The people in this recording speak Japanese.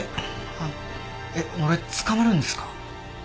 あのえっ俺捕まるんですか？